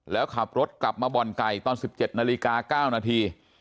แล้วขับรถกลับมาบอลไก่ตอนสิบเจ็ตนาฬิกา๙นาที